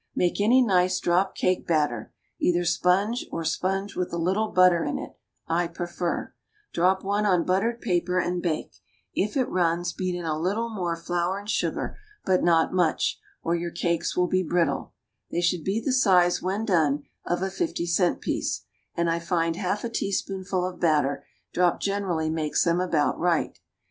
Make any nice drop cake batter (either sponge, or sponge with a little butter in it I prefer); drop one on buttered paper and bake; if it runs, beat in a little more flour and sugar, but not much, or your cakes will be brittle; they should be the size, when done, of a fifty cent piece, and I find half a teaspoonful of batter dropped generally makes them about right.